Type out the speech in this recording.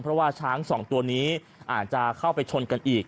เพราะว่าช้างสองตัวนี้อาจจะเข้าไปชนกันอีก